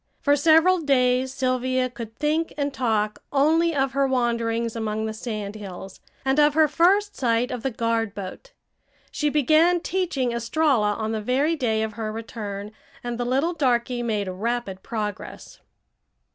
For several days Sylvia could think and talk only of her wanderings among the sand hills, and of her first sight of the guard boat. She began teaching Estralla on the very day of her return, and the little darky made rapid progress.